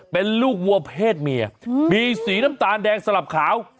เป็นลูกวัวเพศเมียมีสีน้ำตาลแดงสลับขาว